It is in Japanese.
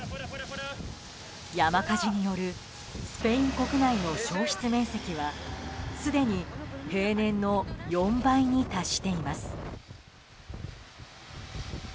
山火事によるスペイン国内の焼失面積はすでに平年の４倍に達しています。